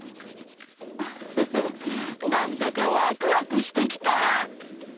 ウッフフなんだかワクワクしてきた！